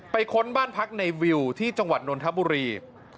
ค้นบ้านพักในวิวที่จังหวัดนนทบุรี